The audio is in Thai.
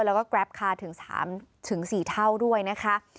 แล้วก็แกรปคาร์ถึง๓๔เท่าด้วยนะคะ